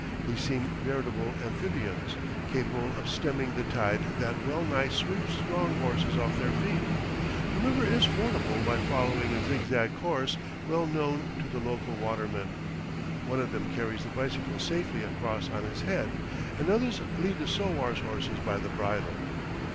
They seem veritable amphibians, capable of stemming the tide that well nigh sweeps strong horses off their feet. The river is fordable by following a zigzag course well known to the local watermen. One of them carries the bicycle safely across on his head, and others lead the sowars' horses by the bridle.